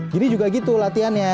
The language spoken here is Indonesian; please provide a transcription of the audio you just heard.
jadi juga gitu latihannya